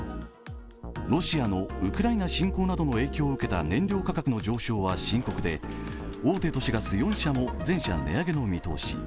ロシアのウクライナ侵攻などの影響を受けた燃料価格の上昇は深刻で大手都市ガス４社も全社値上げの見通し。